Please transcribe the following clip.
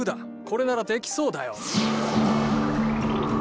これならできそうだよ。